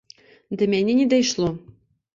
Да мяне не дайшло.